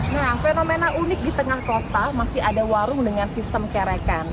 nah fenomena unik di tengah kota masih ada warung dengan sistem kerekan